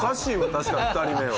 確かに２人目は。